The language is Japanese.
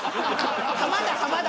「浜田浜田」